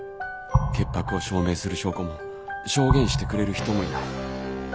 潔白を証明する証拠も証言してくれる人もいない。